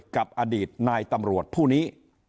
กับอดีตนายตำรวจผู้นี้